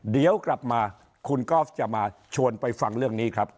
เดี๋ยวกลับมาคุณกอล์ฟจะมาชวนไปฟังเรื่องนี้ครับ